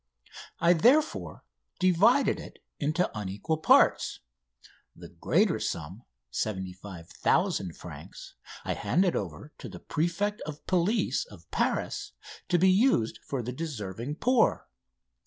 I, therefore, divided it into unequal parts. The greater sum, of 75,000 francs, I handed over to the Prefect of Police of Paris to be used for the deserving poor.